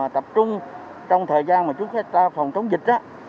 tập trung trong thời gian mà chúng ta phòng chống dịch